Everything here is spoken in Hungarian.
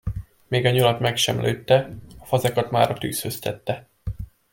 Még a nyulat meg sem lőtte, a fazekat már a tűzhöz tette.